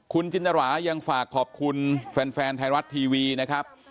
คุณจินตรายังฝากขอบคุณแฟนไทยรัฐทีวีนะครับ